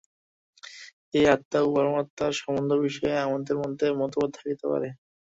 এই আত্মা ও পরমাত্মার সম্বন্ধবিষয়ে আমাদের মধ্যে মতভেদ থাকিতে পারে।